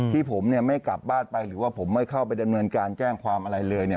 ที่ผมเนี่ยไม่กลับบ้านไปหรือว่าผมไม่เข้าไปดำเนินการแจ้งความอะไรเลยเนี่ย